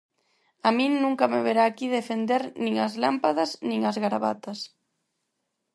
A min nunca me verá aquí defender nin as lámpadas nin as garabatas.